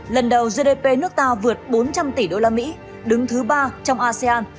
lần đầu gdp nước ta vượt bốn trăm linh tỷ usd đứng thứ ba trong asean